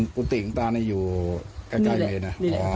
อ๋อกุฏิของตาอยู่ใกล้เมนน่ะอ๋อ